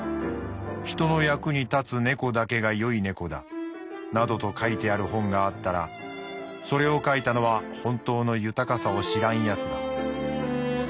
人の役に立つ猫だけが良い猫だなどと書いてある本があったらそれを書いたのは本当の豊かさを知らんやつだ。